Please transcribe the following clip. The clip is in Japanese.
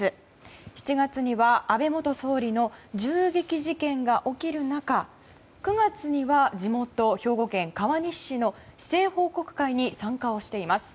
７月には安倍元総理の銃撃事件が起きる中９月には地元・兵庫県川西市の市政報告会に参加をしています。